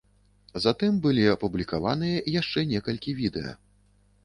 Затым былі апублікаваныя яшчэ некалькі відэа.